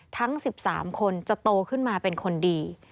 ทั้ง๑๓คนจะโตขึ้นมาเป็นคนดี